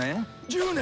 １０年？